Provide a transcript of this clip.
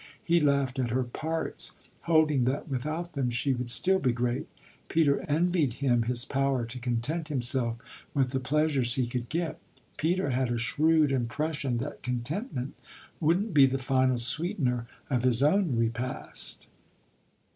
He laughed at her "parts," holding that without them she would still be great. Peter envied him his power to content himself with the pleasures he could get; Peter had a shrewd impression that contentment wouldn't be the final sweetener of his own repast.